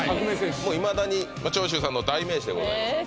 もういまだに長州さんの代名詞でございますえ